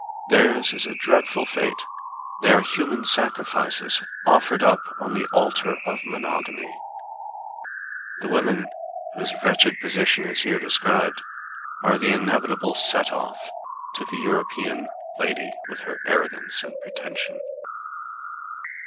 Theirs is a dreadful fate: they are human sacrifices offered up on the altar of monogamy. The women whose wretched position is here described are the inevitable set off to the European lady with her arrogance and pretension.